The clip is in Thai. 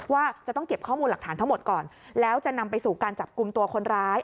ว่าจะต้องเก็บข้อมูลหลักฐานทั้งหมดก่อนแล้วจะนำไปสู่การจับกลุ่มตัวคนร้าย